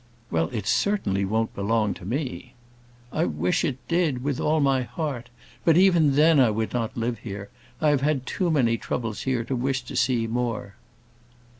"Well, it certainly won't belong to me." "I wish it did, with all my heart. But even then, I would not live here. I have had too many troubles here to wish to see more."